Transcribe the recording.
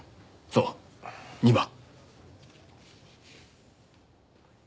そう２番。